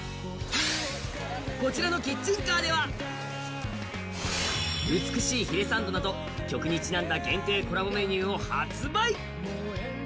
こちらのキッチンカーでは美しい鰭サンドなど曲にちなんだ限定メニューを発売。